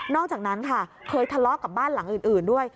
อกจากนั้นค่ะเคยทะเลาะกับบ้านหลังอื่นด้วย